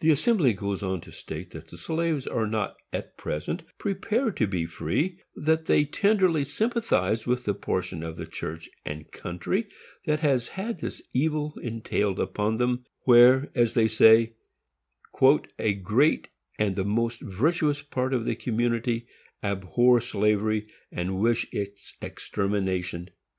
The assembly then goes on to state that the slaves are not at present prepared to be free,—that they tenderly sympathize with the portion of the church and country that has had this evil entailed upon them, where as they say "a great and the most virtuous part of the community ABHOR SLAVERY and wish ITS EXTERMINATION."